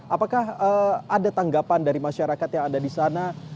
apakah ada tanggapan dari masyarakat yang ada di sana